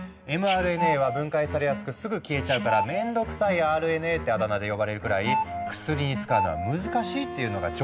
ｍＲＮＡは分解されやすくすぐ消えちゃうから「めんどくさいＲＮＡ」ってあだ名で呼ばれるくらい「薬に使うのは難しい」っていうのが常識だったからなんだ。